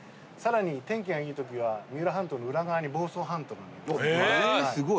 さらに天気がいいときは三浦半島の裏側に房総半島が見えます。